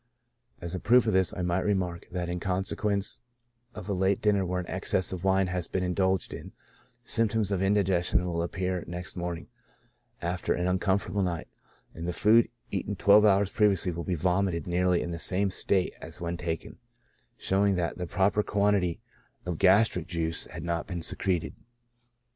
As a proof of this, I might remark, that in consequence of a late dinner where an excess of wine has been indulged in, symptoms of indigestion will perhaps appear next morning, after an uncomfortable night, and the food eaten twelve hours previously will be vomited nearly in the same state as when taken, showing that the proper quantity of gastric juice had not been secreted.